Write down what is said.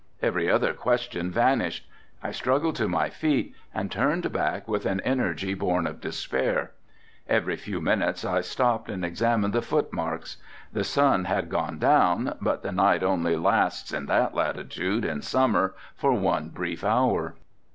Every other question vanished. I struggled to my feet and turned back with an energy born of despair. Every few minutes I stopped and examined the foot marks. The sun had gone down but the night only lasts, in that latitude, in summer, for one brief hour.